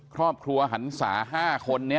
ครอบครัวหันศา๕คนนี้